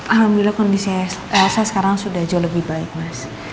alhamdulillah kondisi saya sekarang sudah jauh lebih baik mas